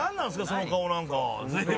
その顔なんか随分。